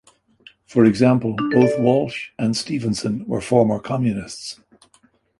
For example, both Walsh and Stephensen were former Communists.